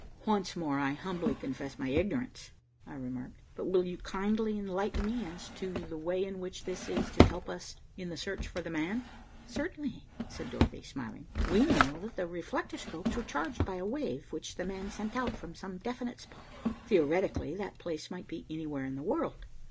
"Once more I humbly confess my ignorance," I remarked, "but will you kindly enlighten me as to the way in which this is to help us in the search for the man?" "Certainly," said Dorothy smiling. "We know that the reflectoscopes were charged by a wave which 'the man' sent out from some definite spot. Theoretically, that place might be anywhere in the world.